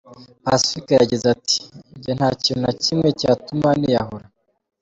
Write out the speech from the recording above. Pacifique yagize ati: “Njye ntakintu na kimwe cyatuma niyahura.